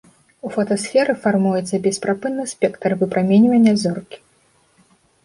У фотасферы фармуецца бесперапынны спектр выпраменьвання зоркі.